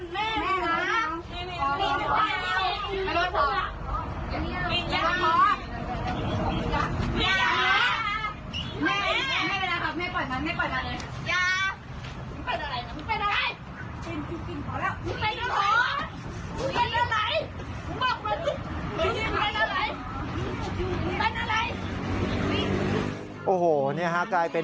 สวัสดีครับทุกคน